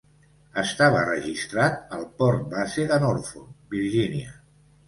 Estava registrat al port base de Norfolk, Virgínia.